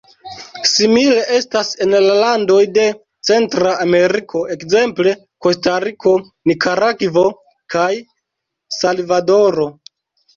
Simile estas en la landoj de Centra Ameriko, ekzemple Kostariko, Nikaragvo kaj Salvadoro.